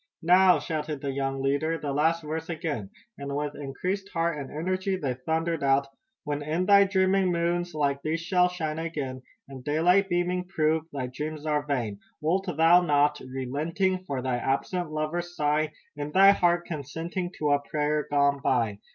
"Now!" shouted the young leader, "The last verse again!" and with increased heart and energy they thundered out: "When in thy dreaming moons like these shall shine again, And daylight beaming prove thy dreams are vain, Wilt thou not, relenting, for thy absent lover sigh? In thy heart consenting to a prayer gone by!